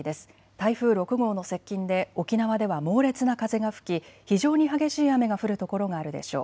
台風６号の接近で沖縄では猛烈な風が吹き非常に激しい雨が降る所があるでしょう。